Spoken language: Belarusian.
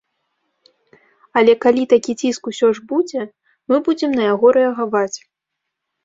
Але калі такі ціск усё ж будзе, мы будзем на яго рэагаваць.